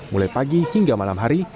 mulai pagi hingga malam hari